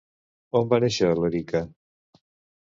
On va néixer l'Erika?